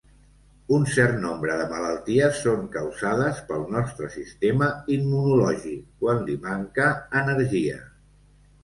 Un cert nombre de malalties són causades pel nostre sistema immunològic quan li manca energia.